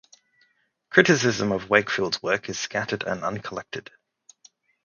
Criticism of Wakefield's work is scattered and uncollected.